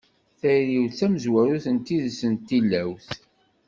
Tayri-w tamezwarut n tidet d tilawt.